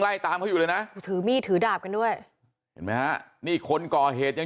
ตามเขาอยู่เลยนะถือมีดถือดาบกันด้วยเห็นไหมฮะนี่คนก่อเหตุยัง